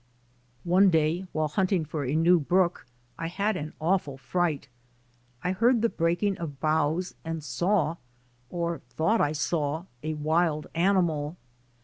One day while hunting for a new brook I had an awful fright. I heard the breaking of boughs and saw, or thought I saw, a wild animal.